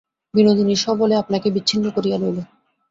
বিনোদিনী সবলে আপনাকে বিচ্ছিন্ন করিয়া লইল।